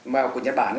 mà của nhật bản